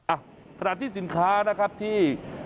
อ่ะขณะที่สินค้านะครับที่